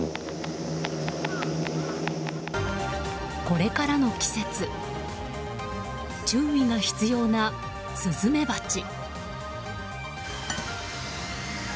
これからの季節注意が必要なスズメバチ。